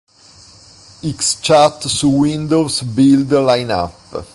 X-Chat su Windows Build Lineup